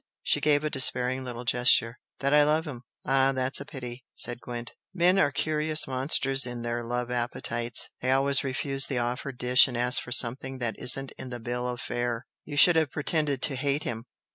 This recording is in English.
She gave a despairing little gesture. "That I love him!" "Ah! That's a pity!" said Gwent "Men are curious monsters in their love appetites; they always refuse the offered dish and ask for something that isn't in the bill of fare. You should have pretended to hate him!"